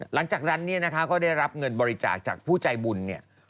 หลังจากนั้นเนี่ยนะคะก็ได้รับเงินบริจาคจากผู้ใจบุญเนี่ย